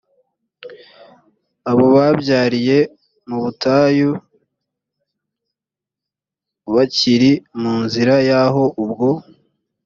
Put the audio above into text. abo babyariye mu butayu bakiri mu nzira yaho ubwo